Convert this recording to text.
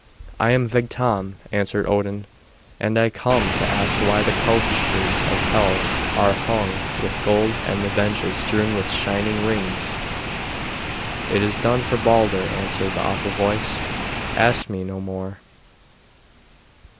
"I am Vegtam," answered Odin, "and I come to ask why the couches of Hel are hung with gold and the benches strewn with shining rings?" "It is done for Balder," answered the awful voice; "ask me no more."